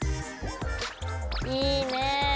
いいね。